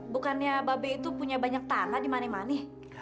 bukannya babe itu punya banyak tanah di mani